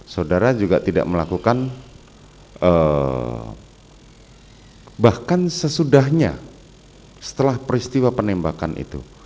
saudara juga tidak melakukan bahkan sesudahnya setelah peristiwa penembakan itu